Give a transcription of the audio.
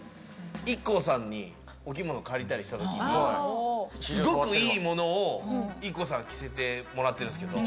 ＩＫＫＯさんにお着物借りたりした時にすごくいいものをＩＫＫＯさんに着せてもらってるんですけど。